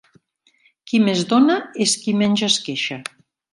Qui més dona és qui menys es queixa.